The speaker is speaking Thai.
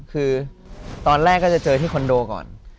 คือตอนแรกก็จะเจอที่คอนโดก่อน